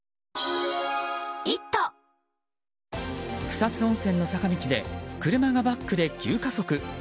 草津温泉の坂道で車がバックで急加速。